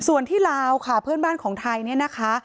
ส่วนที่ลาวค่ะเพื่อนบ้านของไทยเนี่ยนะคะ